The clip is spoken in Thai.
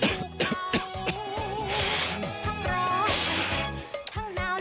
ทั้งเว้นทั้งหน้า